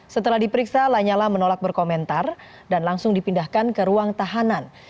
setelah diperiksa lanyala menolak berkomentar dan langsung dipindahkan ke ruang tahanan